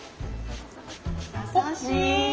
優しい。